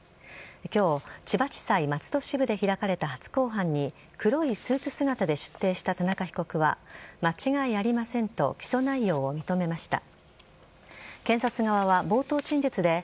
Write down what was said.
今日、千葉地裁松戸支部で開かれた初公判に黒いスーツ姿で出廷した田中被告は間違いありませんと起訴内容を認めました。